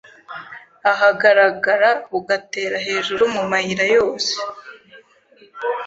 ahagaragara bugatera hejuru mu mayira yose